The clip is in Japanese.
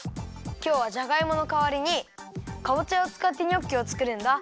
きょうはジャガイモのかわりにかぼちゃをつかってニョッキをつくるんだ。